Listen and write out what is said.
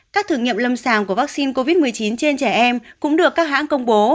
các thử nghiệm lâm sàng của vaccine covid một mươi chín trên trẻ em cũng được các hãng công bố